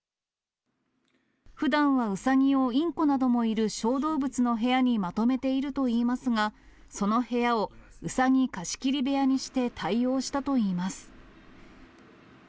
ふだんはうさぎをインコなどもいる小動物の部屋にまとめているといいますが、その部屋をうさぎ貸し切り部屋にして対応したといいます。